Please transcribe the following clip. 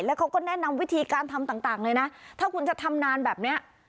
แล้วเขาก็แนะนำวิธีการทำต่างเลยนะถ้าคุณจะทำนานแบบเนี้ย